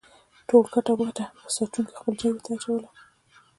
ټوله ګټه وټه به ساتونکو خپل جېب ته اچوله.